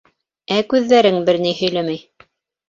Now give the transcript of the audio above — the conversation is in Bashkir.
— Ә күҙҙәрең бер ни һөйләмәй.